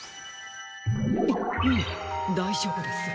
いいえだいじょうぶです。